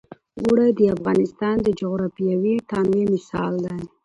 اوړي د افغانستان د جغرافیوي تنوع مثال دی.